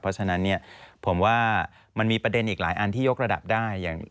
เพราะฉะนั้นเนี่ยผมว่ามันมีประเด็นอีกหลายอันที่ยกระดับได้